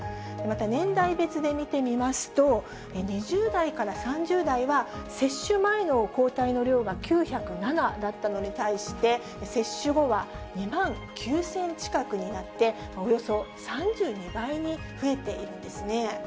また、年代別で見てみますと、２０代から３０代は接種前の抗体の量が９０７だったのに対して、接種後は２万９０００近くになって、およそ３２倍に増えているんですね。